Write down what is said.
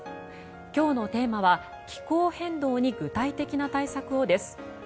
今日のテーマは「気候変動に具体的な対策を」です。